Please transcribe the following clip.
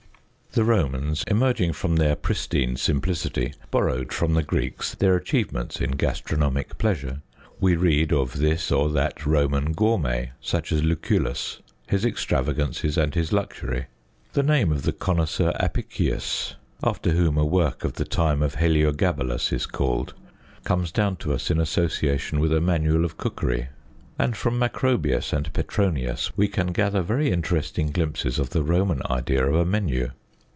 The Romans, emerging from their pristine simplicity, borrowed from the Greeks their achievements in'gastronomic pleasure. We read of this or that Roman gourmet, such as Lucullus, his extravagances and his luxury. The name of the connoisseur Apicius, after whom a work of the time of Heliogabalus is called, comes down to us in association with a manual of cookery. And from Macrobius and Petronius we can gather very interesting glimpses of the Roman idea of a menu.